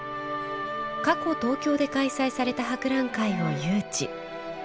過去、東京で開催された博覧会を誘致。